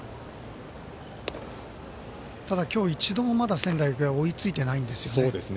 ただ今日１度もまだ仙台育英は追いついていないんですよね。